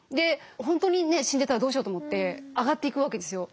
本当に死んでたらどうしようと思って上がっていくわけですよ。